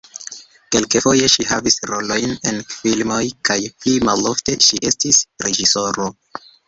Kelkfoje ŝi havis rolojn en filmoj kaj pli malofte ŝi estis reĝisoro.